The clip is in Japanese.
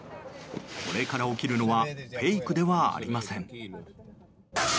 これから起きるのはフェイクではありません。